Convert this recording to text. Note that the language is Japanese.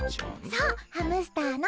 そうハムスターの。